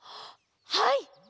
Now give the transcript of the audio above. はい！